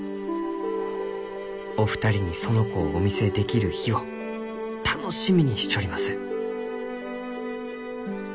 お二人に園子をお見せできる日を楽しみにしちょります」。